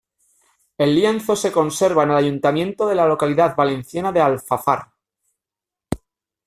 El lienzo se conserva en el Ayuntamiento de la localidad valenciana de Alfafar.